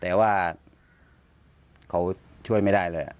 แต่ว่าเขาช่วยไม่ได้เลย